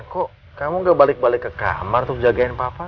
kok kamu gak balik balik ke kamar tuh jagain papa